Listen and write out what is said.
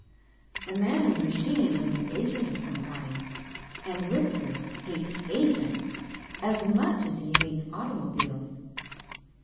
The man in the machine was an agent of some kind, and Whiskers hates agents as much as he hates automobiles.